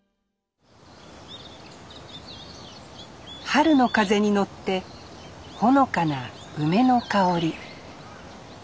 春の風に乗ってほのかな梅の香り